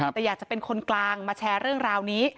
แต่อยากจะเป็นคนกลางมาแชร์เรื่องราวนี้